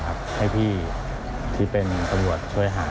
ให้พี่ที่เป็นตำรวจช่วยหา